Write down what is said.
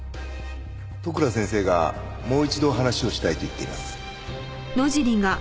利倉先生がもう一度話をしたいと言っています。